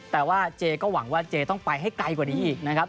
แต่ว่าเจก็หวังว่าเจต้องไปให้ไกลกว่านี้อีกนะครับ